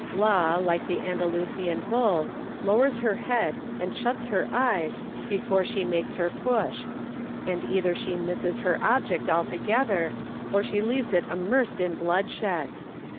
Law, like the Andalusian bull, lowers her head and shuts her eyes before she makes her push ; and either she misses her object altogether, or she leaves it immersed in bloodshed.